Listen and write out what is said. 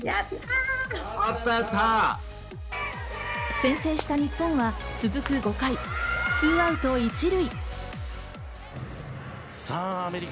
先制した日本は続く５回、２アウト１塁。